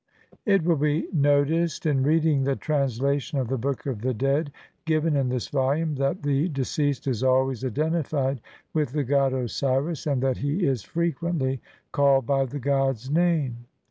It will be noticed in reading the translation of the Book of the Dead given in this volume that the de ceased is always identified with the god Osiris, and that he is frequently called by the god's name.